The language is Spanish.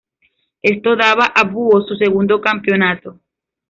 Esto daba a Búhos su segundo campeonato.